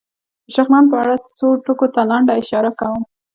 د شغنان په اړه څو ټکو ته لنډه اشاره کوم.